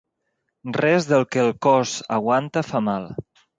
Res del que el cos aguanta fa mal.